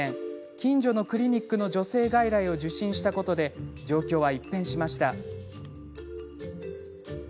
近所のクリニックの女性外来を受診したことで状況は一変しました。